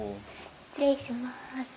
失礼します。